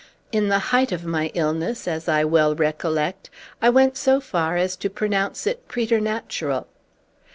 In the height of my illness, as I well recollect, I went so far as to pronounce it preternatural.